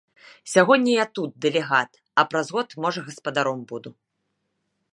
Сягоння я тут, дэлегат, а праз год можа гаспадаром буду.